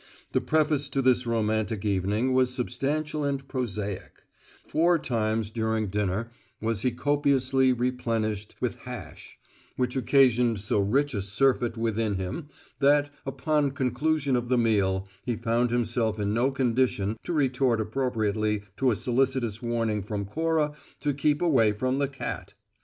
The preface to this romantic evening was substantial and prosaic: four times during dinner was he copiously replenished with hash, which occasioned so rich a surfeit within him that, upon the conclusion of the meal, he found himself in no condition to retort appropriately to a solicitous warning from Cora to keep away from the cat.